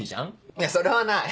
いやそれはない。